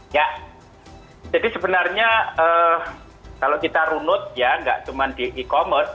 ya jadi sebenarnya kalau kita runut ya nggak cuma di e commerce